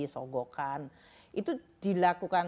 sogokan itu dilakukan